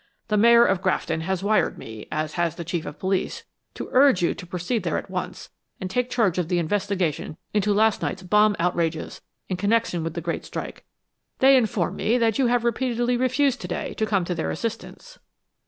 The mayor of Grafton has wired me, as has the chief of police, to urge you to proceed there at once and take charge of the investigation into last night's bomb outrages in connection with the great strike. They inform me that you have repeatedly refused to day to come to their assistance."